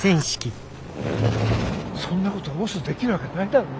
そんなこと押忍できるわけないだろ。